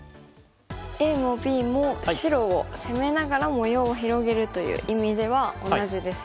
ＡもＢも白を攻めながら模様を広げるという意味では同じですよね。